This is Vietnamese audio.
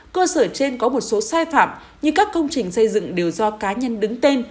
cơ sở trên có một số sai phạm như các công trình xây dựng đều do cá nhân đứng tên